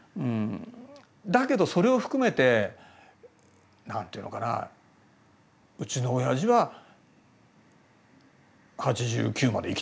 だけどそれを含めて何ていうのかなうちのおやじは８９まで生きたよね。